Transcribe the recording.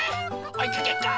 おいかけっこ！